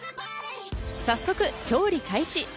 早速、調理開始。